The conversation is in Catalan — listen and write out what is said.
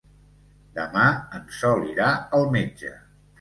Demà en Sol irà al metge.